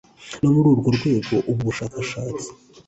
ni muri urwo rwego ubu bushakashatsi